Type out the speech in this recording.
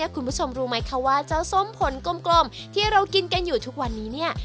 คุณผู้ชมรู้ไหมคะว่าเจ้าส้มผลกลมที่เรากินกันอยู่ทุกวันนี้เนี่ย